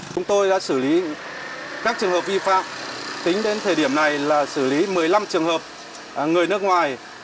xử lý các trường hợp vi phạm tính đến thời điểm này là xử lý một mươi năm trường hợp người nước ngoài